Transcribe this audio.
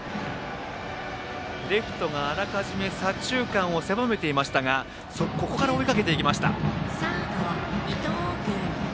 レフトがあらかじめ左中間を狭めていましたがここから追いかけていきました。